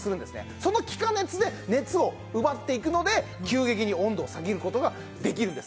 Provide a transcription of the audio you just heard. その気化熱で熱を奪っていくので急激に温度を下げる事ができるんです。